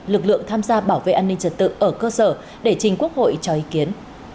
lực lượng tham gia bảo vệ an ninh trật tự ở cơ sở để trình quốc hội cho ý kiến